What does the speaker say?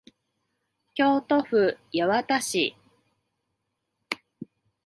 京都府八幡市